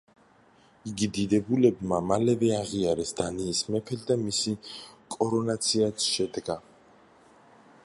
იგი დიდებულებმა მალევე აღიარეს დანიის მეფედ და მისი კორონაციაც შედგა.